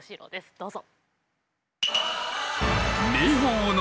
どうぞ。